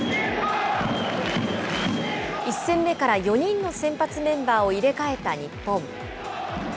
１戦目から４人の先発メンバーを入れ替えた日本。